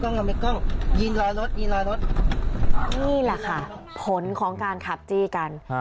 นี่แหละค่ะผลของการขับจี้กัน